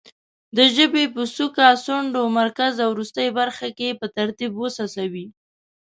د ژبې په څوکه، څنډو، مرکز او وروستۍ برخو کې په ترتیب وڅڅوي.